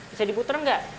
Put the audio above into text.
bisa diputer nggak